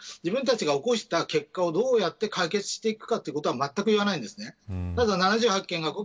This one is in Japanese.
自分たちが起こした結果をどうやって解決していくかということはまったく言わないんです。